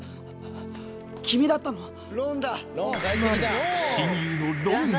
君だったの？